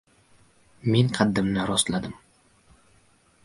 Men qaddimni rostladim.